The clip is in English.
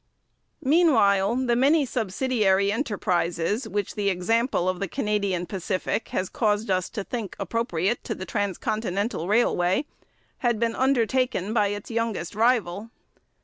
Meanwhile, the many subsidiary enterprises, which the example of the Canadian Pacific has caused us to think appropriate to the transcontinental railway, had been undertaken by its youngest rival.